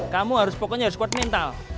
kamu harus pokoknya harus kuat mental